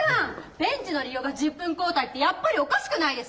ベンチの利用が１０分交代ってやっぱりおかしくないですか？